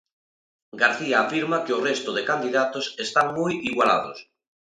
García afirma que o resto de candidatos están moi igualados.